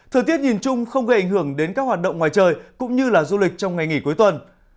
thời tiết nhìn chung không gây ảnh hưởng đến các hoạt động ngoài trời cũng như là du lịch trong ngày nghỉ cuối tuần